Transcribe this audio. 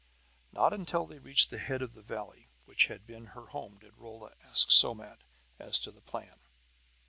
Not until they reached the head of the valley which had been her home did Rolla ask Somat as to the plan.